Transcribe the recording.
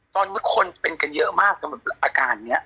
ตอนนี้คนเป็นกันเยอะมากสำหรับอาการนี้